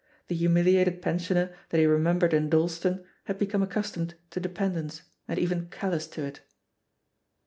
The humiliated pensioner that he remem bered in Dalston had become accustomed to de pendence, and even callous to it.